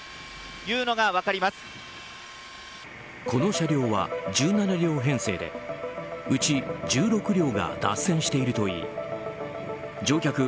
この車両は１７両編成でうち１６両が脱線しているといい乗客